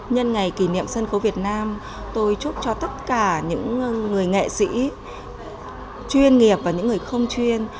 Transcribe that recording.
nhân ngày kỷ niệm sân khấu việt nam tôi chúc cho tất cả những người nghệ sĩ chuyên nghiệp và những người không chuyên